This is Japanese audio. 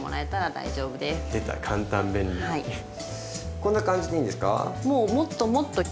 こんな感じでいいんですか？